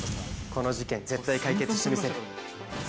この事件、絶対に解決してみせる。